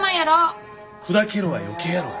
砕けろは余計やろが。